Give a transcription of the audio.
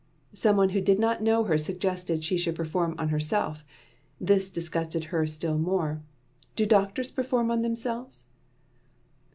Someone who did not know her suggested she should perform on herself. This disgusted her still more. Do doctors perform on themselves!